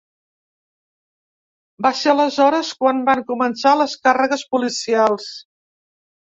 Va ser aleshores quan van començar les càrregues policials.